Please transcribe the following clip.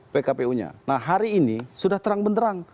pkpu nya nah hari ini sudah terang benderang